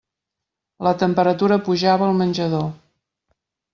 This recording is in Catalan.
La temperatura pujava al menjador.